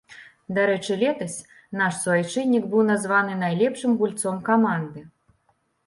Дарэчы, летась наш суайчыннік быў названы найлепшым гульцом каманды.